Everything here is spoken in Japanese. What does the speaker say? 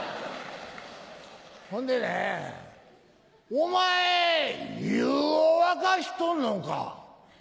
ほんでねお前湯を沸かしとんのか？